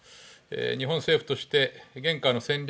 日本政府として現下の戦略